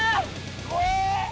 怖え！